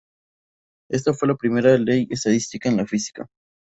Esta fue la primera ley estadística en la física.